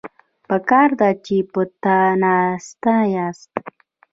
پکار ده چې پۀ ناسته پاسته